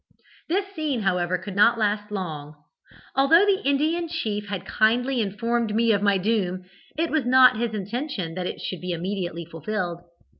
This scene, however, could not last long. Although the Indian chief had kindly informed me of my doom, it was not his intention that it should be immediately fulfilled.